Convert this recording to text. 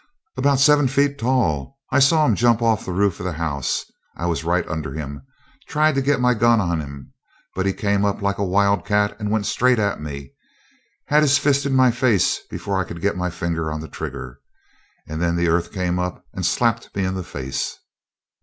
"About seven feet tall. I saw him jump off the roof of the house. I was right under him. Tried to get my gun on him, but he came up like a wild cat and went straight at me. Had his fist in my face before I could get my finger on the trigger. And then the earth came up and slapped me in the face."